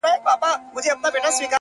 دغه زرين مخ؛